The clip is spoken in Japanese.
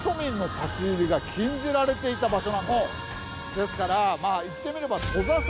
ですからまあいってみれば。